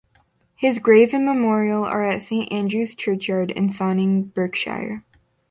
His grave and memorial are at Saint Andrew's churchyard in Sonning, Berkshire.